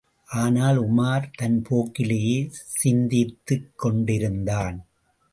ஆனால், உமார் தன் போக்கிலேயே சிந்தித்துக் கொண்டிருந்தான்.